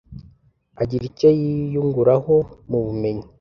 agira icyo yiyunguraho mu bumenyi.